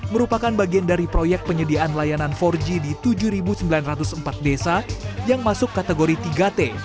merupakan bagian dari proyek penyediaan layanan empat g di tujuh sembilan ratus empat desa yang masuk kategori tiga t